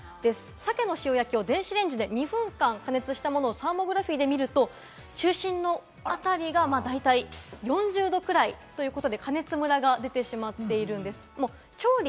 さけの塩焼きを電子レンジで２分間加熱したものをサーモグラフィーで見ると中心のあたりが大体４０度くらいということで、加熱ムラが出てしまっています。